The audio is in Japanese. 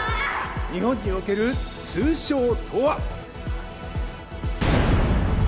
日本における通称とは？